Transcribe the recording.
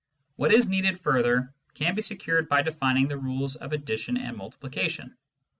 What is needed further can be secured by defining the rules of addition and multiplication.